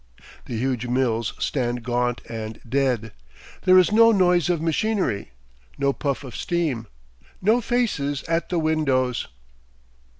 The huge mills stand gaunt and dead; there is no noise of machinery, no puff of steam, no faces at the windows.